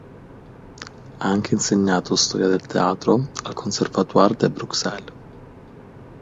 Ha anche insegnato storia del teatro al Conservatoire de Bruxelles.